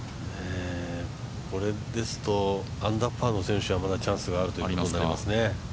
これですとアンダーパーの選手はまだチャンスがあることになりますね。